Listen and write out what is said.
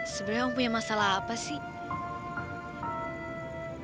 sebenernya om punya masalah apa sih